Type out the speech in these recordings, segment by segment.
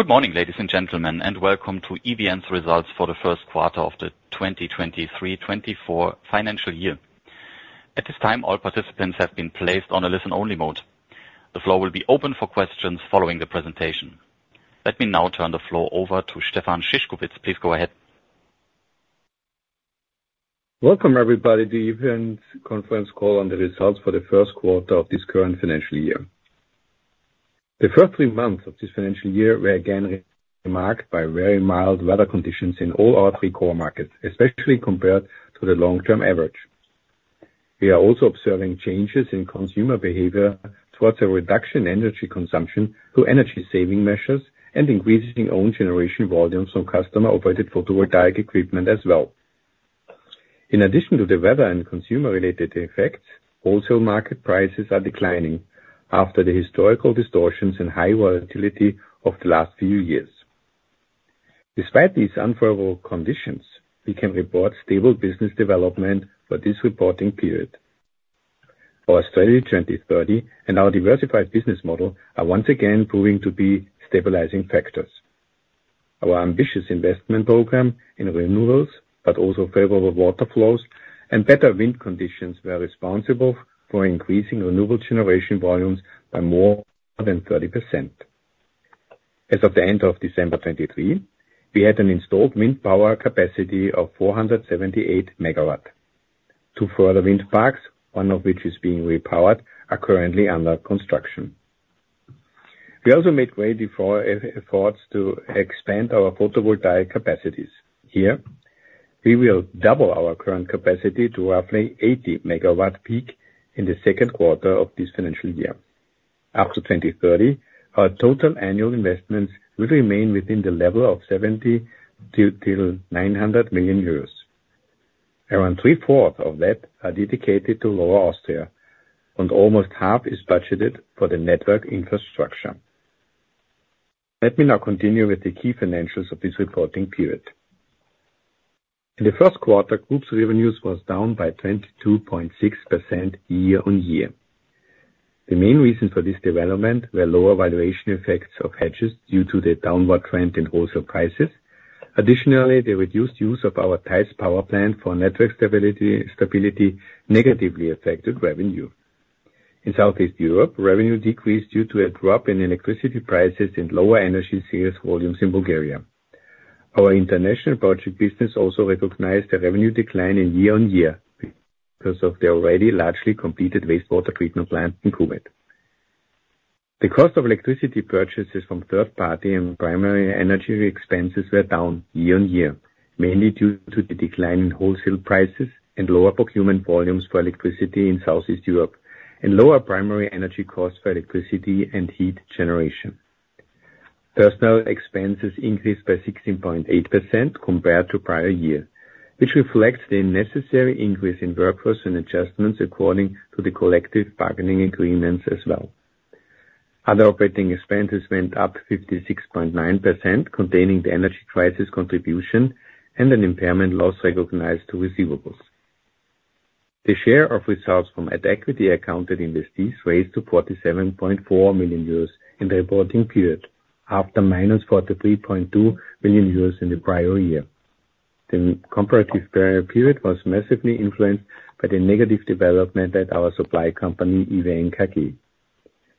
Good morning, ladies and gentlemen, and welcome to EVN's results for the first quarter of the 2023/24 financial year. At this time, all participants have been placed on a listen-only mode. The floor will be open for questions following the presentation. Let me now turn the floor over to Stefan Szyszkowitz. Please go ahead. Welcome, everybody, to the EVN's conference call on the results for the first quarter of this current financial year. The first three months of this financial year were again marked by very mild weather conditions in all our three core markets, especially compared to the long-term average. We are also observing changes in consumer behavior towards a reduction in energy consumption through energy-saving measures and increasing own generation volumes from customer-operated photovoltaic equipment as well. In addition to the weather and consumer-related effects, wholesale market prices are declining after the historical distortions in high volatility of the last few years. Despite these unfavorable conditions, we can report stable business development for this reporting period. Our Strategy 2030 and our diversified business model are once again proving to be stabilizing factors. Our ambitious investment program in renewables, but also favorable water flows and better wind conditions, were responsible for increasing renewable generation volumes by more than 30%. As of the end of December 2023, we had an installed wind power capacity of 478 MW. Two further wind parks, one of which is being repowered, are currently under construction. We also made great efforts to expand our photovoltaic capacities. Here, we will double our current capacity to roughly 80 MWp in the second quarter of this financial year. Up to 2030, our total annual investments will remain within the level of 70 million-900 million euros. Around 3/4 of that are dedicated to Lower Austria, and almost half is budgeted for the network infrastructure. Let me now continue with the key financials of this reporting period. In the first quarter, Group revenues were down by 22.6% year-on-year. The main reasons for this development were lower valuation effects of hedges due to the downward trend in wholesale prices. Additionally, the reduced use of our Theiss power plant for network stability negatively affected revenue. In Southeast Europe, revenue decreased due to a drop in electricity prices and lower energy sales volumes in Bulgaria. Our international project business also recognized a revenue decline year-on-year because of the already largely completed wastewater treatment plant in Kuwait. The cost of electricity purchases from third-party and primary energy expenses were down year-on-year, mainly due to the decline in wholesale prices and lower procurement volumes for electricity in Southeast Europe and lower primary energy costs for electricity and heat generation. Personnel expenses increased by 16.8% compared to prior year, which reflects the necessary increase in workforce and adjustments according to the collective bargaining agreements as well. Other operating expenses went up 56.9%, containing the energy crisis contribution and an impairment loss recognized to receivables. The share of results from equity accounted investees raised to 47.4 million euros in the reporting period, after -43.2 million euros in the prior year. The comparative period was massively influenced by the negative development at our supply company EVN KG.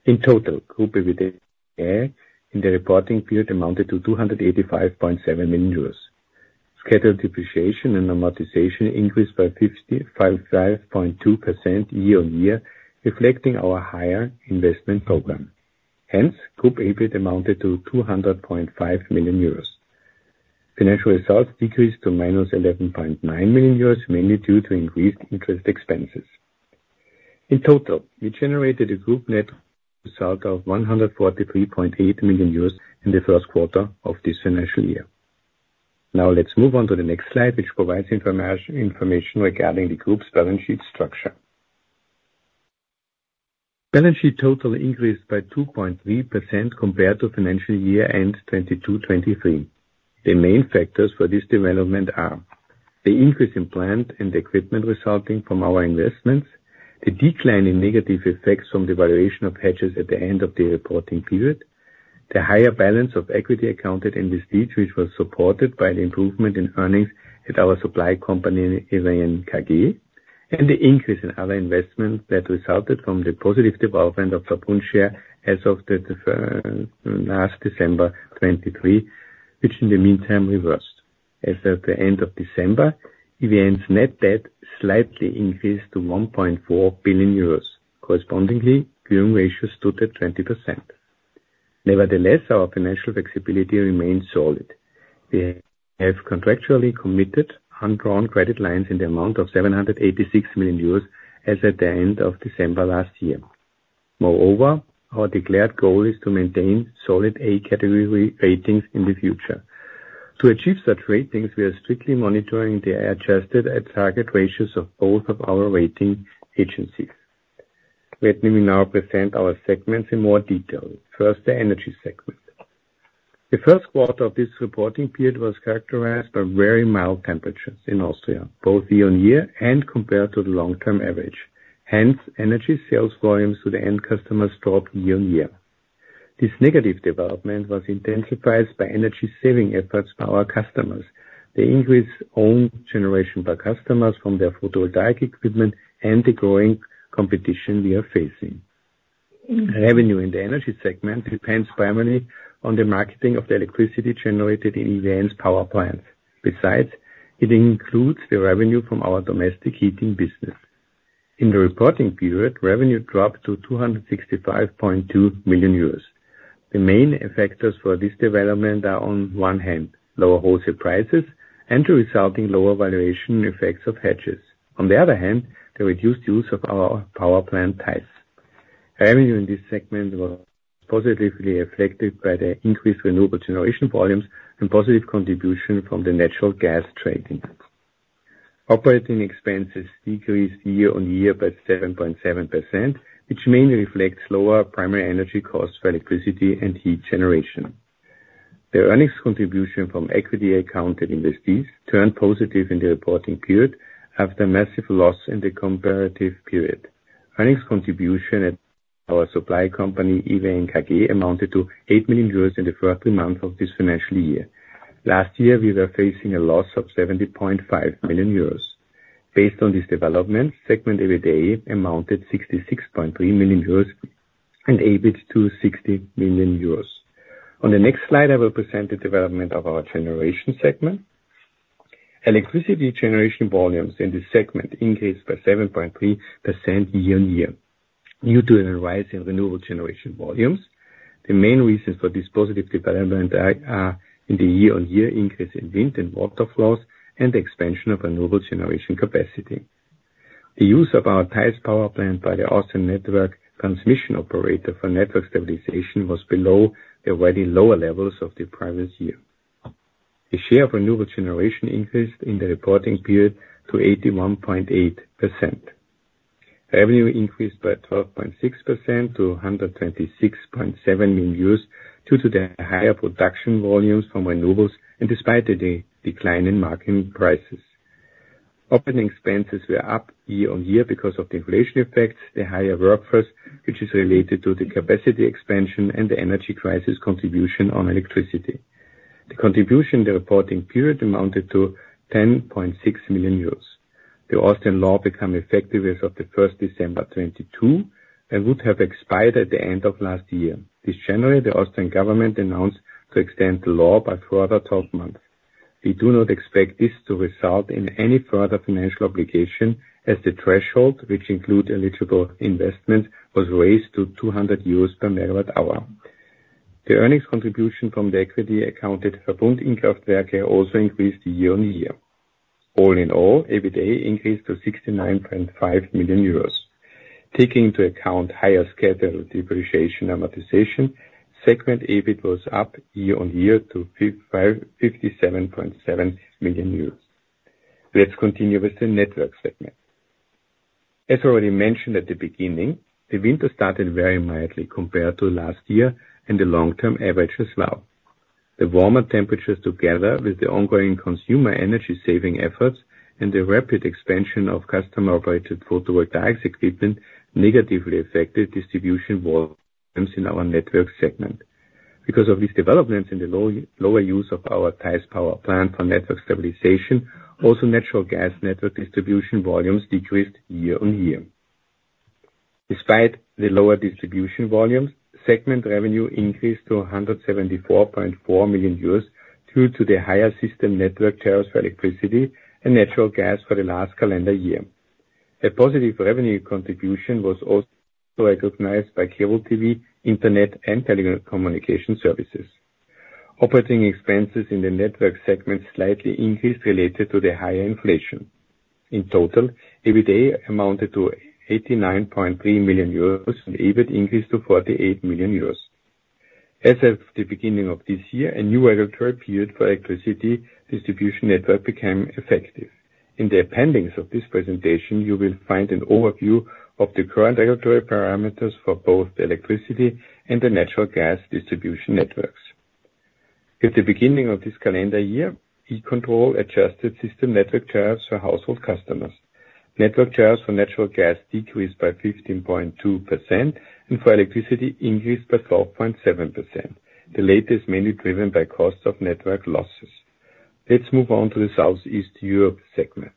In total, EBITDA in the reporting period amounted to 285.7 million euros. Scheduled depreciation and amortization increased by 55.2% year-on-year, reflecting our higher investment program. Hence, EBIT amounted to 200.5 million euros. Financial results decreased to -11.9 million euros, mainly due to increased interest expenses. In total, we generated a group net result of 143.8 million euros in the first quarter of this financial year. Now let's move on to the next slide, which provides information regarding the group's balance sheet structure. Balance sheet total increased by 2.3% compared to financial year-end 2022/2023. The main factors for this development are: the increase in plant and equipment resulting from our investments, the decline in negative effects from the valuation of hedges at the end of the reporting period, the higher balance of equity accounted investees, which was supported by the improvement in earnings at our supply company EVN KG, and the increase in other investments that resulted from the positive development of Verbund share as of last December 2023, which in the meantime reversed. As of the end of December, EVN's net debt slightly increased to 1.4 billion euros. Correspondingly, Gearing ratios stood at 20%. Nevertheless, our financial flexibility remained solid. We have contractually committed undrawn credit lines in the amount of 786 million euros as at the end of December last year. Moreover, our declared goal is to maintain solid A category ratings in the future. To achieve such ratings, we are strictly monitoring the adjusted at-target ratios of both of our rating agencies. Let me now present our segments in more detail. First, the energy segment. The first quarter of this reporting period was characterized by very mild temperatures in Austria, both year-on-year and compared to the long-term average. Hence, energy sales volumes to the end customers dropped year-on-year. This negative development was intensified by energy-saving efforts by our customers, the increased own generation by customers from their photovoltaic equipment, and the growing competition we are facing. Revenue in the energy segment depends primarily on the marketing of the electricity generated in EVN's power plant. Besides, it includes the revenue from our domestic heating business. In the reporting period, revenue dropped to 265.2 million euros. The main effectors for this development are, on one hand, lower wholesale prices and the resulting lower valuation effects of hedges. On the other hand, the reduced use of our power plant Theiss. Revenue in this segment was positively affected by the increased renewable generation volumes and positive contribution from the natural gas trading. Operating expenses decreased year-on-year by 7.7%, which mainly reflects lower primary energy costs for electricity and heat generation. The earnings contribution from equity accounted investees turned positive in the reporting period after massive loss in the comparative period. Earnings contribution at our supply company EVN KG amounted to 8 million euros in the first three months of this financial year. Last year, we were facing a loss of 70.5 million euros. Based on this development, segment EBITDA amounted to 66.3 million euros and EBIT to 60 million euros. On the next slide, I will present the development of our generation segment. Electricity generation volumes in this segment increased by 7.3% year-on-year due to a rise in renewable generation volumes. The main reasons for this positive development are in the year-on-year increase in wind and water flows and the expansion of renewable generation capacity. The use of our Theiss power plant by the Austrian network transmission operator for network stabilization was below the already lower levels of the previous year. The share of renewable generation increased in the reporting period to 81.8%. Revenue increased by 12.6% to 126.7 million due to the higher production volumes from renewables and despite the decline in market prices. Operating expenses were up year-on-year because of the inflation effects, the higher workforce, which is related to the capacity expansion, and the Energy crisis contribution on electricity. The contribution in the reporting period amounted to 10.6 million euros. The Austrian law became effective as of the first December 2022 and would have expired at the end of last year. This January, the Austrian government announced to extend the law by further 12 months. We do not expect this to result in any further financial obligation, as the threshold, which includes eligible investments, was raised to 200 euros per megawatt-hour. The earnings contribution from the equity accounted Verbund in kraftwerke also increased year-on-year. All in all, EBITDA increased to 69.5 million euros. Taking into account higher scheduled depreciation amortization, segment EBIT was up year-on-year to 57.7 million euros. Let's continue with the network segment. As already mentioned at the beginning, the winter started very mildly compared to last year and the long-term average as well. The warmer temperatures together with the ongoing consumer energy-saving efforts and the rapid expansion of customer-operated photovoltaic equipment negatively affected distribution volumes in our network segment. Because of these developments and the lower use of our Theiss power plant for network stabilization, also natural gas network distribution volumes decreased year-on-year. Despite the lower distribution volumes, segment revenue increased to 174.4 million euros due to the higher system network tariffs for electricity and natural gas for the last calendar year. A positive revenue contribution was also recognized by cable TV, internet, and telecommunication services. Operating expenses in the network segment slightly increased related to the higher inflation. In total, EBITDA amounted to 89.3 million euros and EBIT increased to 48 million euros. As of the beginning of this year, a new regulatory period for electricity distribution network became effective. In the appendix of this presentation, you will find an overview of the current regulatory parameters for both the electricity and the natural gas distribution networks. At the beginning of this calendar year, E-Control adjusted system network tariffs for household customers. Network tariffs for natural gas decreased by 15.2% and for electricity increased by 12.7%. The latter is mainly driven by cost of network losses. Let's move on to the Southeast Europe segment.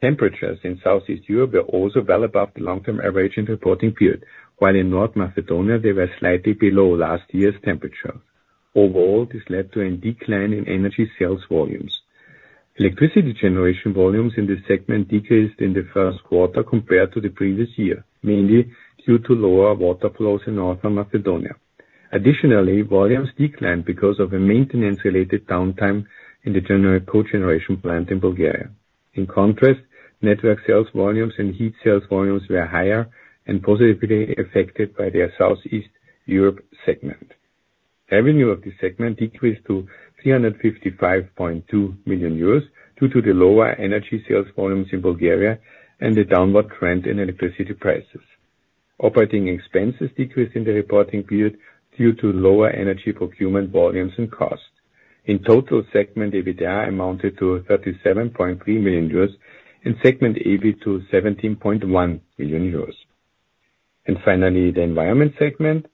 Temperatures in Southeast Europe were also well above the long-term average in the reporting period, while in North Macedonia, they were slightly below last year's temperatures. Overall, this led to a decline in energy sales volumes. Electricity generation volumes in this segment decreased in the first quarter compared to the previous year, mainly due to lower water flows in North Macedonia. Additionally, volumes declined because of a maintenance-related downtime in the co-generation plant in Bulgaria. In contrast, network sales volumes and heat sales volumes were higher and positively affected by their Southeast Europe segment. Revenue of this segment decreased to 355.2 million euros due to the lower energy sales volumes in Bulgaria and the downward trend in electricity prices. Operating expenses decreased in the reporting period due to lower energy procurement volumes and costs. In total, segment EBITDA amounted to 37.3 million euros and segment EBIT to 17.1 million euros. And finally, the environment segment.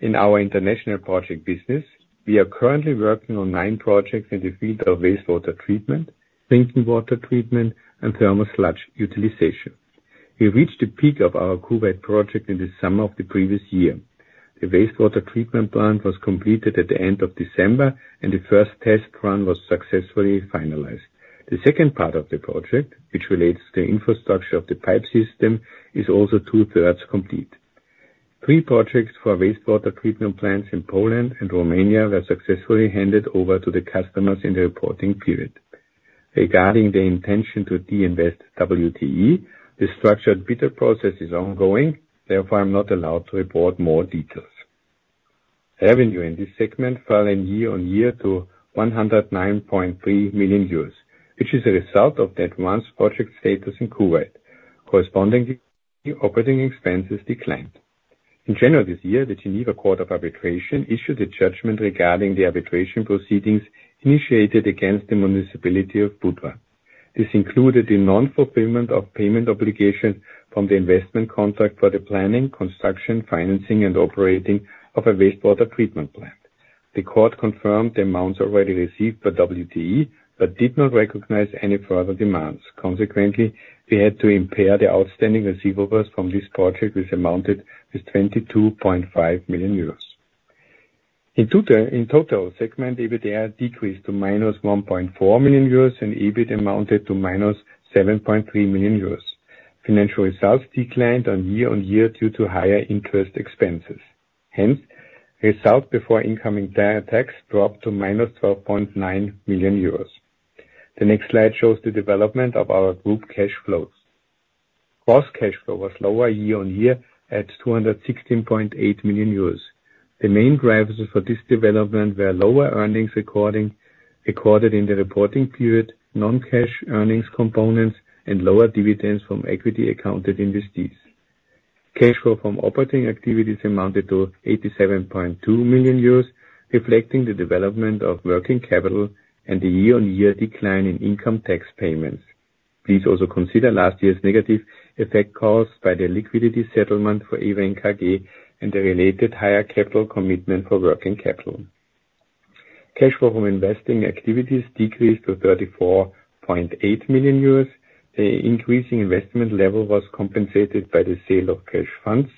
In our international project business, we are currently working on nine projects in the field of wastewater treatment, drinking water treatment, and thermal sludge utilization. We reached the peak of our Kumet project in the summer of the previous year. The wastewater treatment plant was completed at the end of December, and the first test run was successfully finalized. The second part of the project, which relates to the infrastructure of the pipe system, is also two-thirds complete. Three projects for wastewater treatment plants in Poland and Romania were successfully handed over to the customers in the reporting period. Regarding the intention to deinvest WTE, the structured bidding process is ongoing. Therefore, I'm not allowed to report more details. Revenue in this segment fell year-over-year to 109.3 million, which is a result of the advanced project status in Kuwait. Correspondingly, operating expenses declined. In January this year, the Geneva Court of Arbitration issued a judgment regarding the arbitration proceedings initiated against the municipality of Budva. This included the non-fulfillment of payment obligations from the investment contract for the planning, construction, financing, and operating of a wastewater treatment plant. The court confirmed the amounts already received for WTE but did not recognize any further demands. Consequently, we had to impair the outstanding receivables from this project, which amounted to 22.5 million euros. In total, segment EBITDA decreased to -1.4 million euros, and EBIT amounted to -7.3 million euros. Financial results declined year-on-year due to higher interest expenses. Hence, result before income direct tax dropped to -12.9 million euros. The next slide shows the development of our group cash flows. Gross cash flow was lower year-on-year at 216.8 million euros. The main drivers for this development were lower earnings recorded in the reporting period, non-cash earnings components, and lower dividends from equity accounted investees. Cash flow from operating activities amounted to 87.2 million euros, reflecting the development of working capital and the year-on-year decline in income tax payments. Please also consider last year's negative effect caused by the liquidity settlement for EVN KG and the related higher capital commitment for working capital. Cash flow from investing activities decreased to 34.8 million euros. The increasing investment level was compensated by the sale of cash funds.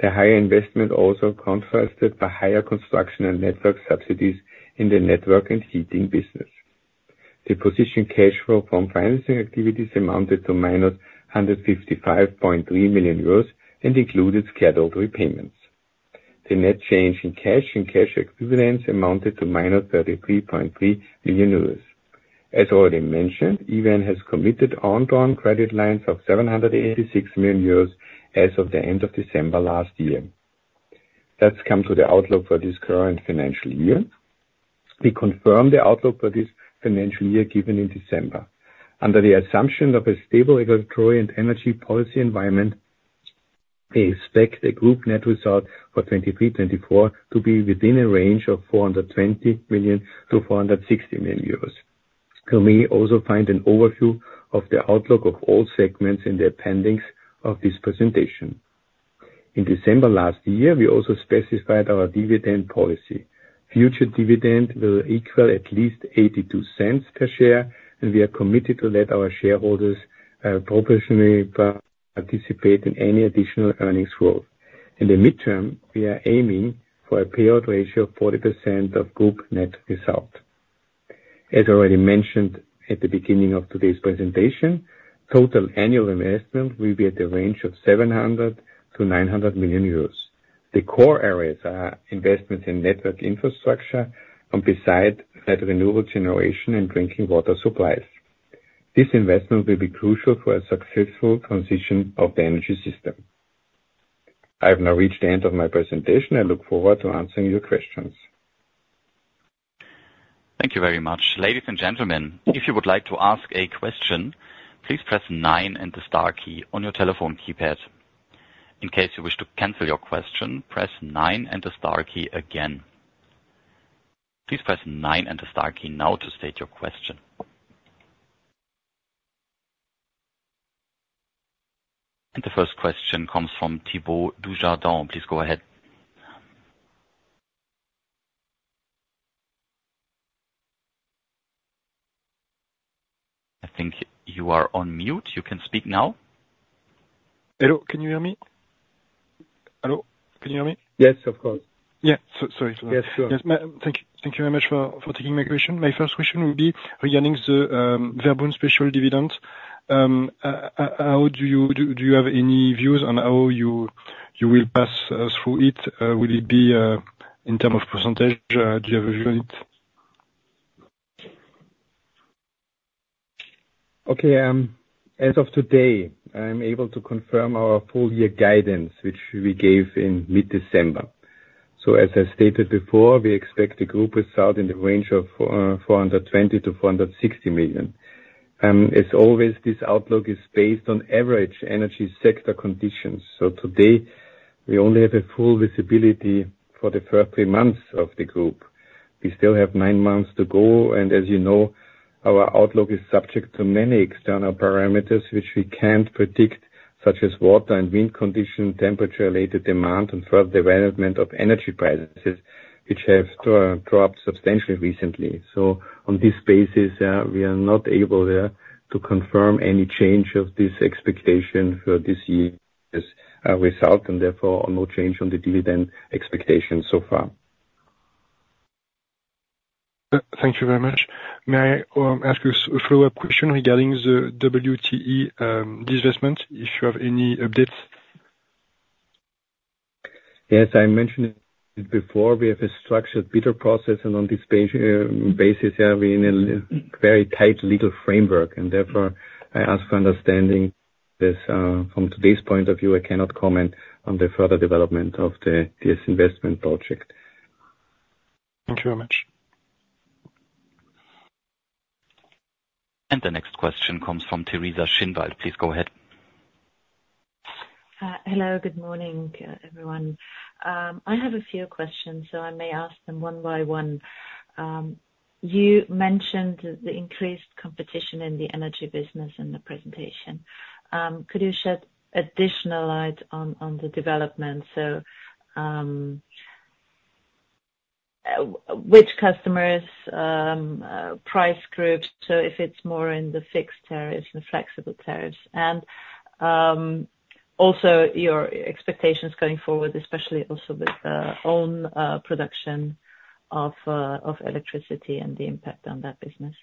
The higher investment also contrasted by higher construction and network subsidies in the network and heating business. The cash flow from financing activities amounted to -155.3 million euros and included scheduled repayments. The net change in cash and cash equivalents amounted to -33.3 million euros. As already mentioned, EVN has committed undrawn credit lines of 786 million euros as of the end of December last year. Let's come to the outlook for this current financial year. We confirm the outlook for this financial year given in December. Under the assumption of a stable regulatory and energy policy environment, we expect the group net result for 2023/2024 to be within a range of 420 million-460 million euros. You may also find an overview of the outlook of all segments in the appendix of this presentation. In December last year, we also specified our dividend policy. Future dividend will equal at least 0.82 per share, and we are committed to let our shareholders proportionally participate in any additional earnings growth. In the midterm, we are aiming for a payout ratio of 40% of group net result. As already mentioned at the beginning of today's presentation, total annual investment will be at the range of 700 million-900 million euros. The core areas are investments in network infrastructure and besides that renewable generation and drinking water supplies. This investment will be crucial for a successful transition of the energy system. I have now reached the end of my presentation. I look forward to answering your questions. Thank you very much. Ladies and gentlemen, if you would like to ask a question, please press nine and the star key on your telephone keypad. In case you wish to cancel your question, press nine and the star key again. Please press nine and the star key now to state your question. The first question comes from Thibault Dujardin. Please go ahead. I think you are on mute. You can speak now. Hello? Can you hear me? Hello? Can you hear me? Yes, of course. Yeah. Sorry. Yes, sure. Yes, ma'am. Thank you. Thank you very much for taking my question. My first question will be regarding the Verbund special dividend. How do you have any views on how you will pass through it? Will it be in terms of percentage? Do you have a view on it? Okay. As of today, I'm able to confirm our full-year guidance, which we gave in mid-December. So, as I stated before, we expect the group result in the range of 420 million-460 million. As always, this outlook is based on average energy sector conditions. So, today, we only have a full visibility for the first three months of the group. We still have nine months to go. And as you know, our outlook is subject to many external parameters, which we can't predict, such as water and wind condition, temperature-related demand, and further development of energy prices, which have dropped substantially recently. So, on this basis, we are not able to confirm any change of this expectation for this year's result and therefore no change on the dividend expectation so far. Thank you very much. May I ask you a follow-up question regarding the WTE disinvestment, if you have any updates? Yes. I mentioned it before. We have a structured bidder process. On this basis, we're in a very tight legal framework. Therefore, I ask for understanding this. From today's point of view, I cannot comment on the further development of this investment project. Thank you very much. The next question comes from Teresa Schinwald. Please go ahead. Hello. Good morning, everyone. I have a few questions, so I may ask them one by one. You mentioned the increased competition in the energy business in the presentation. Could you shed additional light on the development? So, which customers, price groups? So, if it's more in the fixed tariffs and flexible tariffs? And also, your expectations going forward, especially also with the own production of electricity and the impact on that business.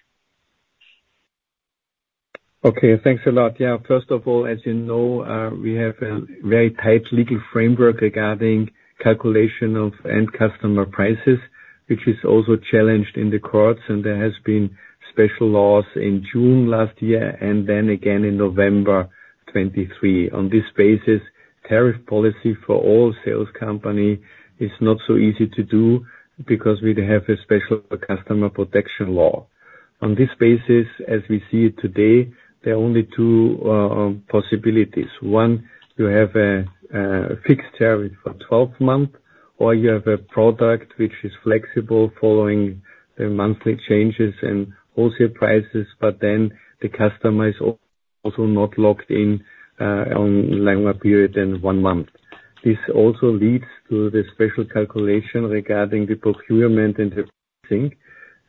Okay. Thanks a lot. Yeah. First of all, as you know, we have a very tight legal framework regarding calculation of end-customer prices, which is also challenged in the courts. There have been special laws in June last year and then again in November 2023. On this basis, tariff policy for all sales companies is not so easy to do because we have a special customer protection law. On this basis, as we see it today, there are only two possibilities. One, you have a fixed tariff for 12 months, or you have a product which is flexible following the monthly changes in wholesale prices, but then the customer is also not locked in on a longer period than one month. This also leads to the special calculation regarding the procurement and the pricing.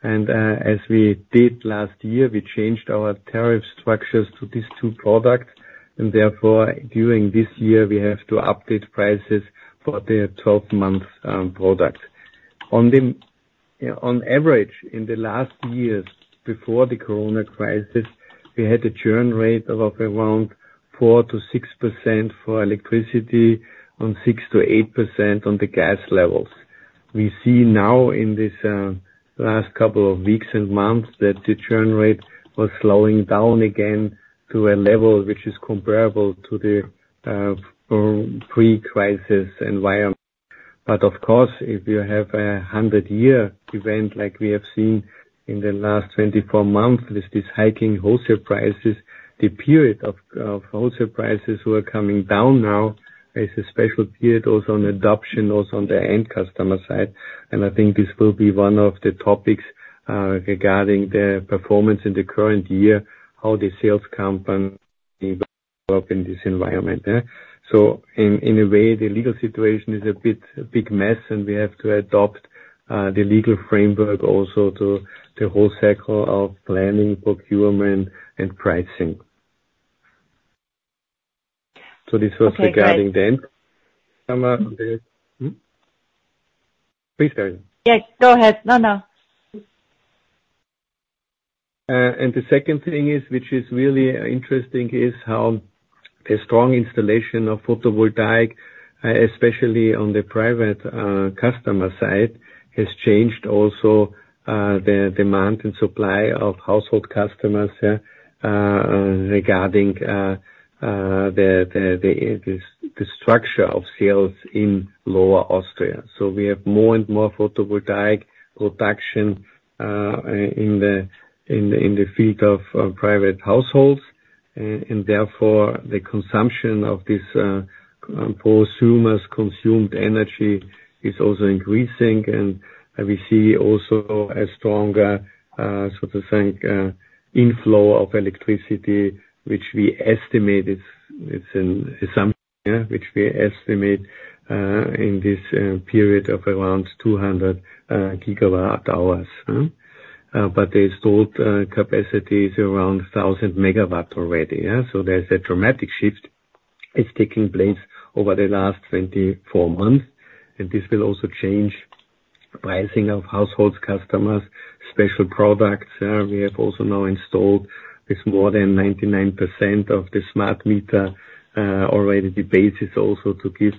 As we did last year, we changed our tariff structures to these two products. Therefore, during this year, we have to update prices for the 12-month product. On average, in the last years before the corona crisis, we had a churn rate of around 4%-6% for electricity and 6%-8% on the gas levels. We see now in these last couple of weeks and months that the churn rate was slowing down again to a level which is comparable to the pre-crisis environment. Of course, if you have a 100-year event like we have seen in the last 24 months with these hiking wholesale prices, the period of wholesale prices who are coming down now is a special period also on adoption, also on the end-customer side. I think this will be one of the topics regarding the performance in the current year, how the sales company will work in this environment. In a way, the legal situation is a bit a big mess, and we have to adopt the legal framework also to the whole cycle of planning, procurement, and pricing. This was regarding the end-customer business. Please, Theresa. Yes. Go ahead. No, no. And the second thing which is really interesting is how the strong installation of photovoltaic, especially on the private customer side, has changed also the demand and supply of household customers regarding the structure of sales in Lower Austria. So, we have more and more photovoltaic production in the field of private households. And therefore, the consumption of this prosumer's consumed energy is also increasing. And we see also a stronger, so to say, inflow of electricity, which we estimate it's an assumption, which we estimate in this period of around 200 GWh. But the installed capacity is around 1,000 MW already. So, there's a dramatic shift that's taking place over the last 24 months. And this will also change pricing of household customers, special products. We have also now installed with more than 99% of the smart meter already the basis also to give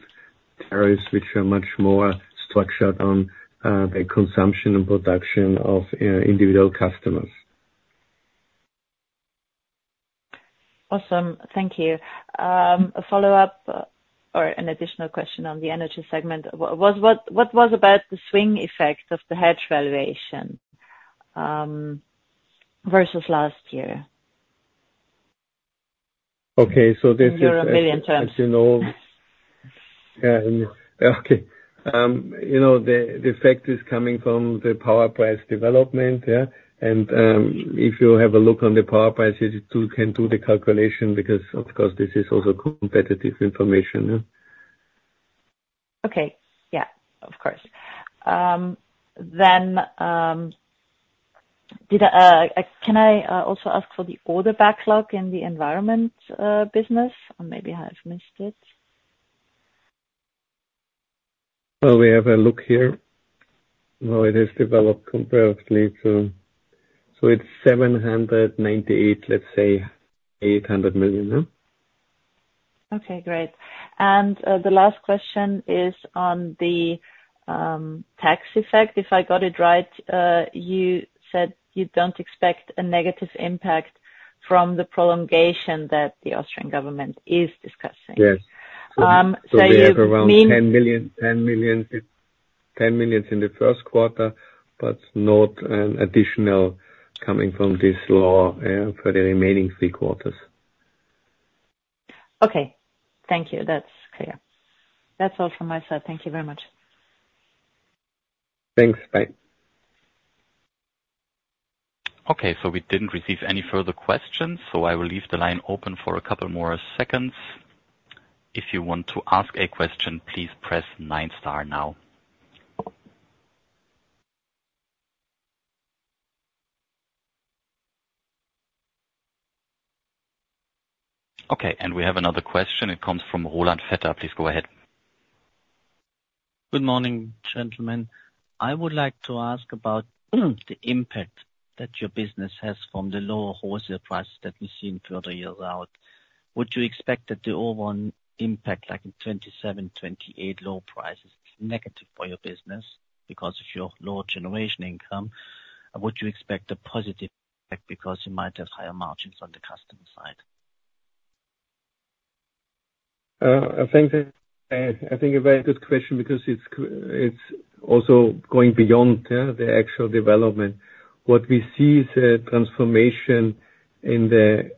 tariffs which are much more structured on the consumption and production of individual customers. Awesome. Thank you. A follow-up or an additional question on the energy segment. What was about the swing effect of the hedge valuation versus last year? Okay. So, this is. In billion terms. As you know, yeah. Okay. The effect is coming from the power price development. If you have a look on the power price, you can do the calculation because, of course, this is also competitive information. Okay. Yeah. Of course. Then, can I also ask for the order backlog in the environment business? Maybe I have missed it. Well, we have a look here. Well, it has developed comparatively. So, it's 798 million, let's say, 800 million. Okay. Great. The last question is on the tax effect. If I got it right, you said you don't expect a negative impact from the prolongation that the Austrian government is discussing. Yes. So, we have around 10 million. So, you mean? 10 million in the first quarter, but not an additional coming from this law for the remaining three quarters. Okay. Thank you. That's clear. That's all from my side. Thank you very much. Thanks. Bye. Okay. So, we didn't receive any further questions, so I will leave the line open for a couple more seconds. If you want to ask a question, please press nine star now. Okay. And we have another question. It comes from Roland Vetter. Please go ahead. Good morning, gentlemen. I would like to ask about the impact that your business has from the lower wholesale prices that we see in further years out. Would you expect that the overall impact, like in 2027, 2028 low prices, negative for your business because of your lower generation income? Would you expect a positive impact because you might have higher margins on the customer side? I think a very good question because it's also going beyond the actual development. What we see is a transformation in the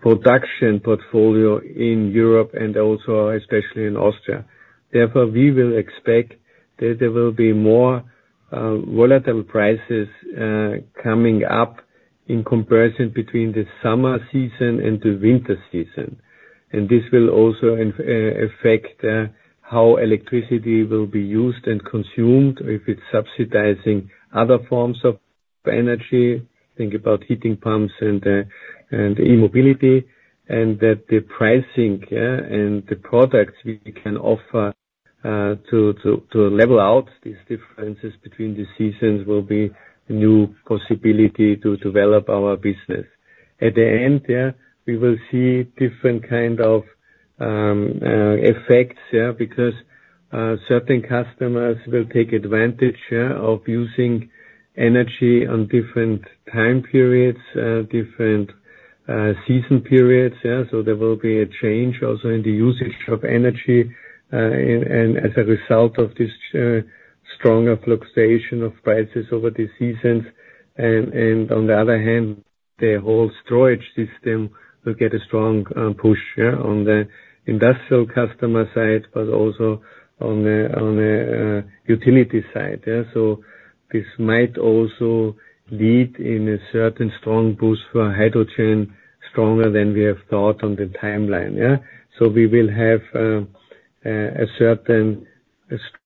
production portfolio in Europe and also, especially, in Austria. Therefore, we will expect that there will be more volatile prices coming up in comparison between the summer season and the winter season. And this will also affect how electricity will be used and consumed, if it's subsidizing other forms of energy. Think about heating pumps and e-mobility. And that the pricing and the products we can offer to level out these differences between the seasons will be a new possibility to develop our business. At the end, we will see different kind of effects because certain customers will take advantage of using energy on different time periods, different season periods. So, there will be a change also in the usage of energy as a result of this stronger fluctuation of prices over the seasons. And on the other hand, the whole storage system will get a strong push on the industrial customer side but also on the utility side. So, this might also lead in a certain strong boost for hydrogen, stronger than we have thought on the timeline. So, we will have a certain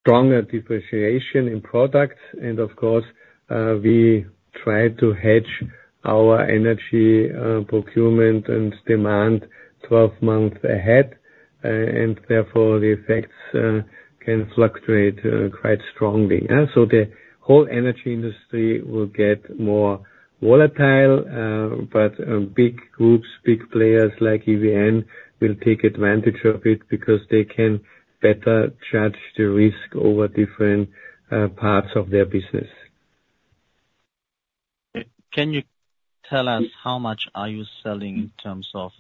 stronger depreciation in products. And, of course, we try to hedge our energy procurement and demand 12 months ahead. And therefore, the effects can fluctuate quite strongly. So, the whole energy industry will get more volatile. But big groups, big players like EVN will take advantage of it because they can better judge the risk over different parts of their business. Can you tell us how much are you selling in terms of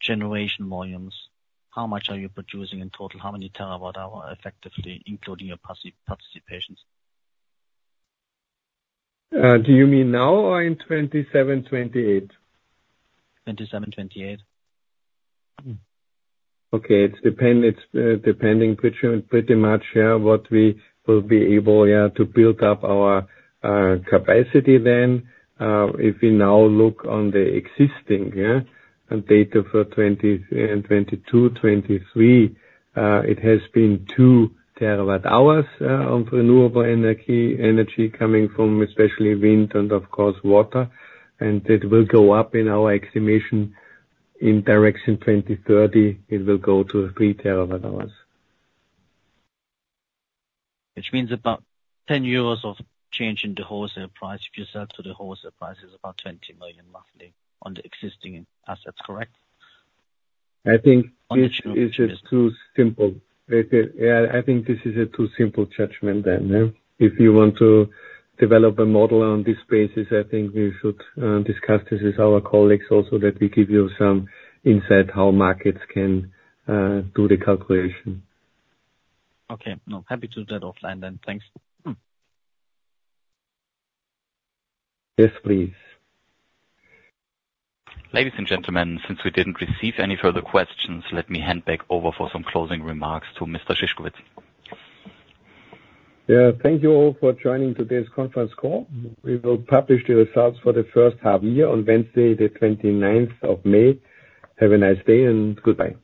generation volumes? How much are you producing in total? How many terawatt-hour effectively, including your participations? Do you mean now or in 2027, 2028? 2027, 2028. Okay. It's depending pretty much what we will be able to build up our capacity then. If we now look on the existing data for 2022, 2023, it has been 2 TWh of renewable energy coming from especially wind and, of course, water. It will go up in our estimation. In direction 2020, 2030, it will go to 3 TWh. Which means about 10 euros of change in the wholesale price. If you sell to the wholesale price, it's about 20 million roughly on the existing assets. Correct? I think it's just too simple. I think this is a too simple judgment then. If you want to develop a model on this basis, I think we should discuss this with our colleagues also that we give you some insight how markets can do the calculation. Okay. No. Happy to do that offline then. Thanks. Yes, please. Ladies and gentlemen, since we didn't receive any further questions, let me hand back over for some closing remarks to Mr. Szyszkowitz. Yeah. Thank you all for joining today's conference call. We will publish the results for the first half year on Wednesday, the 29th of May. Have a nice day and goodbye.